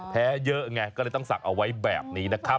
แพ้เยอะไงก็เลยต้องศักดิ์เอาไว้แบบนี้นะครับ